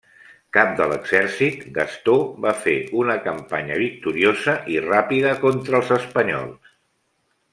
Cap de l'exèrcit, Gastó va fer una campanya victoriosa i ràpida contra els espanyols.